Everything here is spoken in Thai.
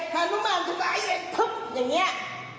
หาลูกบ้านสุดไว้ทุบอย่างเนี้ย